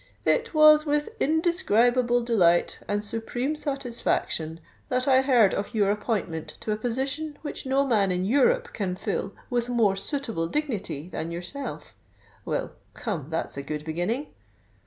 '_It was with indescribable delight and supreme satisfaction that I heard of your appointment to a position which no man in Europe can fill with more suitable dignity than yourself._' Well, come—that's a good beginning.